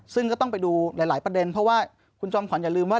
ซึ่งก็ต้องไปดูหลายประเด็นเพราะว่าคุณจอมขวัญอย่าลืมว่า